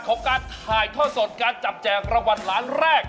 ของการถ่ายทอดสดการจับแจกรางวัลล้านแรก